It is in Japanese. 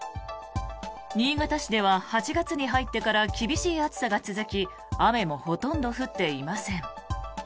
新潟市では８月に入ってから厳しい暑さが続き雨もほとんど降っていません。